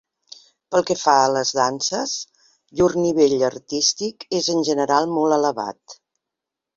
Pel que fa a les danses, llur nivell artístic és en general molt elevat.